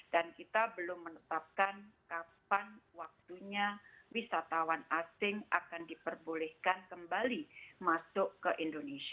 dan kita belum menetapkan kapan waktunya wisatawan asing akan diperbolehkan kembali masuk ke indonesia